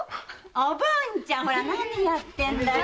・おぶんちゃん！何やってんだい？